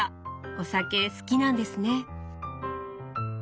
お酒好きなんですね。